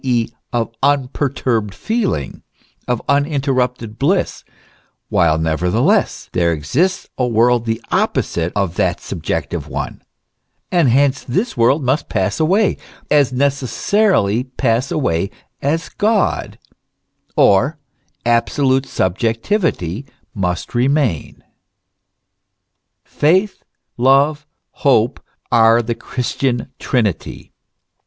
e., of unperturbed feeling, of uninterrupted bliss, while nevertheless there exists a world the opposite of that subjective one, and hence this world must pass away, as necessarily pass away as God, or absolute subjectivity, must remain. Faith, love, hope, are the Christian Trinity.